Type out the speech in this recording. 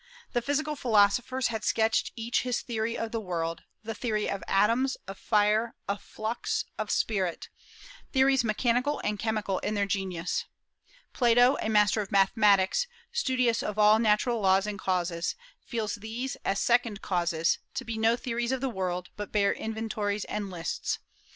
The physical philosophers had sketched each his theory of the world; the theory of atoms, of fire, of flux, of spirit, theories mechanical and chemical in their genius. Plato, a master of mathematics, studious of all natural laws and causes, feels these, as second causes, to be no theories of the world, but bare inventories and lists.